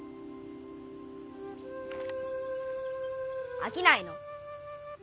あきないの？